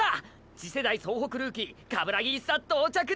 次世代総北ルーキー鏑木一差到着です！！